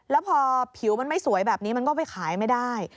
แล้วพอผิวมันไม่สวยแบบนี้มันก็ไปขายไม่ได้